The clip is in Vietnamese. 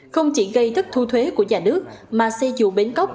không chỉ gây thất thu thuế của nhà nước mà xe dù bến cóc